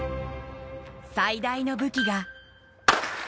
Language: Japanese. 最大の武器が。